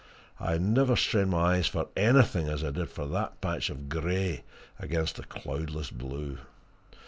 I never strained my eyes for anything as I did for that patch of grey against the cloudless blue!